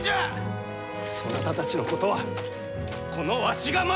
そなたたちのことはこのわしが守る！